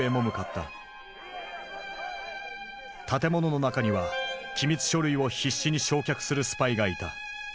建物の中には機密書類を必死に焼却するスパイがいた。